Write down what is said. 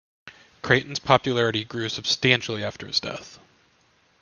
Creighton's popularity grew substantially after his death.